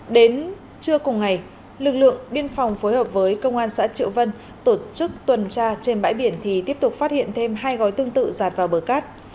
đến trưa cùng ngày lực lượng biên phòng phối hợp với công an xã triệu vân tổ chức tuần tra trên bãi biển thì tiếp tục phát hiện thêm hai gói tương tự giạt vào bờ cát